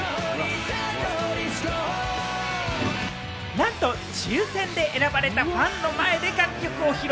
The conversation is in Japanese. なんと抽選で選ばれたファンの前で楽曲を披露。